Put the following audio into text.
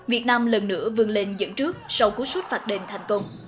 việt nam lần nữa vươn lên dẫn trước sau cú sút phạt đền thành công